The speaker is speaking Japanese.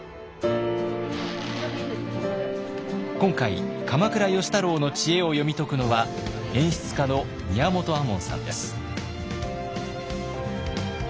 今回鎌倉芳太郎の知恵を読み解くのは演出家の宮本亞門さんです。